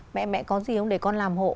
mẹ mẹ có gì không để con làm hộ